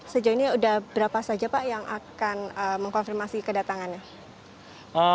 sejauh ini sudah berapa saja pak yang akan mengkonfirmasi kedatangannya